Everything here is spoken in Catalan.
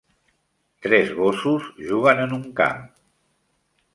Tres gossos juguen en un camp